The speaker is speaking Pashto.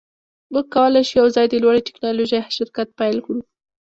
موږ کولی شو یوځای د لوړې ټیکنالوژۍ شرکت پیل کړو